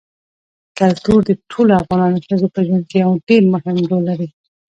کلتور د ټولو افغان ښځو په ژوند کې یو ډېر مهم رول لري.